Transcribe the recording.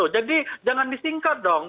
jadi jangan disingkat dong